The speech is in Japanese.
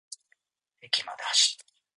駅まで走った。